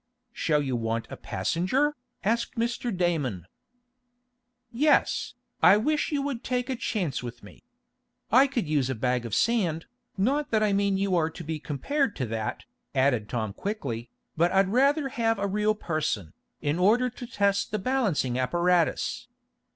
"Shall you want a passenger?" asked Mr. Damon. "Yes, I wish you would take a chance with me. I could use a bag of sand, not that I mean you are to be compared to that," added Tom quickly, "but I'd rather have a real person, in order to test the balancing apparatus.